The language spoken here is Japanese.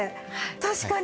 確かに。